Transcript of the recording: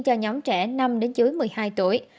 cho nhóm trẻ năm đến dưới một mươi hai tuổi